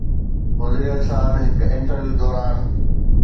گذريل سال هڪ انٽرويو دوران